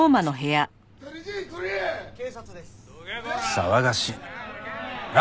騒がしいな。